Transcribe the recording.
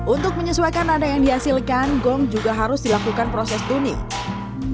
untuk menyesuaikan nada yang dihasilkan gong juga harus dilakukan proses tuning